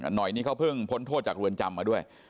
หน่อยนี่เขาเพิ่งพ้นโทษจากเรือนจำมาด้วย